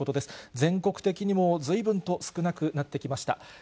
全国的にも、ずいぶんと少なくなってきました。